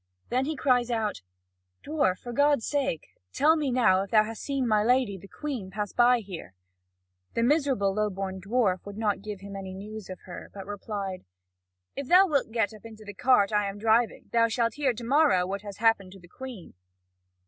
Then he cries out: "Dwarf, for God's sake, tell me now if thou hast seen my lady, the Queen, pass by here." The miserable, low born dwarf would not give him any news of her, but replied: "If thou wilt get up into the cart I am driving thou shalt hear to morrow what has happened to the Queen."